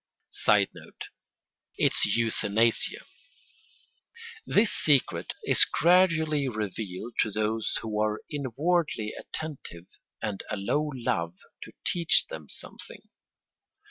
[Sidenote: Its euthanasia.] This secret is gradually revealed to those who are inwardly attentive and allow love to teach them something.